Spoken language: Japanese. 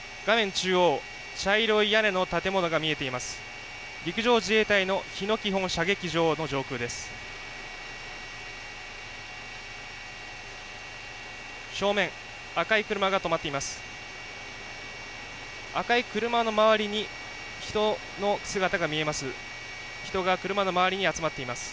中央、茶色い屋根の建物が見えています。